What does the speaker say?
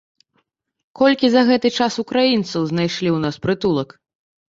Колькі за гэты час украінцаў знайшлі ў нас прытулак?